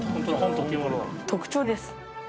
特徴です。